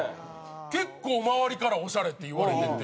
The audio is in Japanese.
結構周りからオシャレって言われてて。